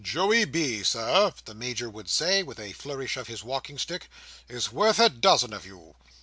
"Joey B., Sir," the Major would say, with a flourish of his walking stick, "is worth a dozen of you.